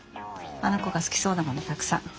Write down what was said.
あの子が好きそうなものたくさん。